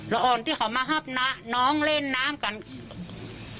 ละอ่อนที่คือเยี่ยมมาหักไก่